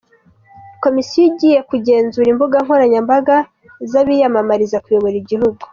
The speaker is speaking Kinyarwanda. Komisiyo igiye kugenzura imbuga nkoranyambaga z’abiyamamariza kuyobora igihugu.